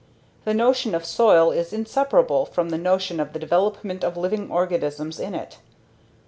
The notion of soil is inseparable from the notion of the development of living organisms in it.